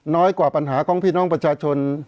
น้อยกว่าปัญหาของพี่น้องประชาชน